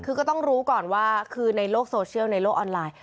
คือก็ต้องรู้ก่อนว่าคือในโลกโซเชียลในโลกออนไลน์